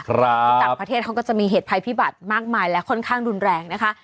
ต่างประเทศเขาก็จะมีเหตุภัยพิบัติมากมายและค่อนข้างรุนแรงนะคะ